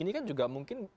ini kan juga mungkin